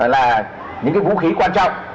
là những cái vũ khí quan trọng